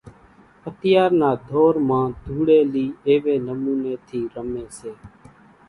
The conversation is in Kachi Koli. اتيار نا ڌور مان ڌوڙيلي ايوي نموني ٿي رمي سي۔